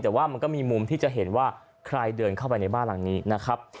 แต่ว่ามันก็มีมุมที่จะเห็นว่าใครเดินเข้าไปในบ้านหลังนี้นะครับ